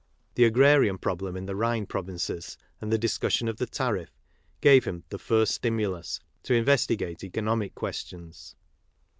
The agrarian problem m the Rhme provinces and the discussion of the tariff gave him " the first stimulus " to investigate economic questions.